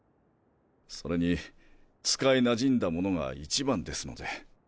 それに使いなじんだものがいちばんですので。